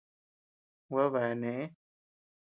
Guad bea neʼë.